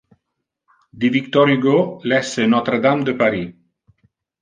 Di Victor Hugo lesse "Notre-Dame de Paris".